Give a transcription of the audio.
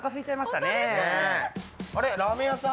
あれ、ラーメン屋さん？